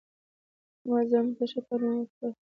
احمد زامنو ته ښه تعلیم وکړ.